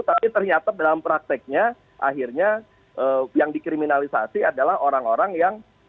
tapi ternyata dalam prakteknya akhirnya yang dikriminalisasi adalah orang orang yang